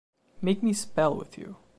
Make me spell with you.